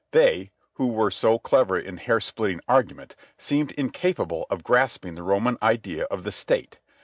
They, who were so clever in hair splitting argument, seemed incapable of grasping the Roman idea of the State.